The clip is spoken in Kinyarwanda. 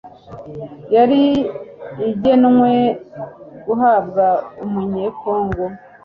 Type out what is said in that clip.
yari igenewe guhabwa umunyekongo